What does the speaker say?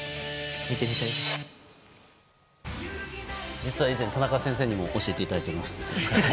実は以前、田中先生にも教えていただいております。